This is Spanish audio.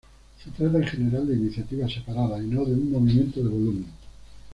Se trata, en general, de iniciativas separadas, y no de un movimiento de volumen.